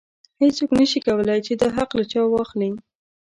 هیڅوک نشي کولی چې دا حق له چا واخلي.